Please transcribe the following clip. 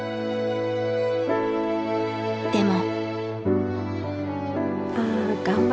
でも。